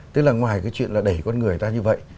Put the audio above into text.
tức là ngoài cái chuyện là đẩy con người ra như vậy